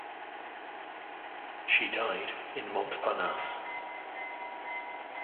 She died in Montparnasse.